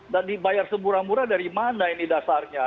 dan dibayar semurah murah dari mana ini dasarnya